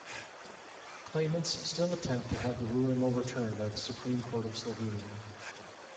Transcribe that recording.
Claimants still attempt to have the ruling overturned by the Supreme Court of Slovenia.